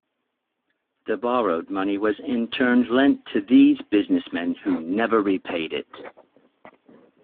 The borrowed money was in turn lent to these businessmen, who never repaid it.